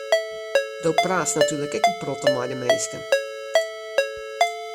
Do praatst natuerlik ek in protte mei de minsken.